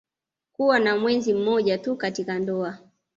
Kuwa na mwenzi mmoja tu katika ndoa